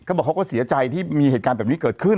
บอกเขาก็เสียใจที่มีเหตุการณ์แบบนี้เกิดขึ้น